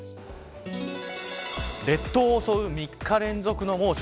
列島を襲う３日連続の猛暑。